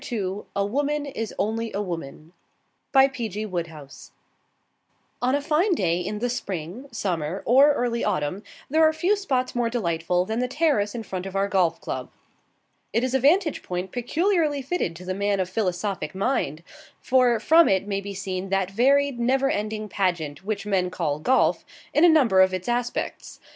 2 A Woman is only a Woman On a fine day in the spring, summer, or early autumn, there are few spots more delightful than the terrace in front of our Golf Club. It is a vantage point peculiarly fitted to the man of philosophic mind: for from it may be seen that varied, never ending pageant, which men call Golf, in a number of its aspects.